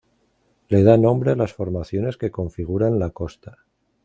Le da nombre a las formaciones que configuran la costa.